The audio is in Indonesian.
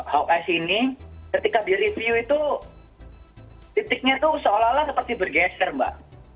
hoi sini ketika direview itu titiknya tuh seolah olah seperti bergeser mbak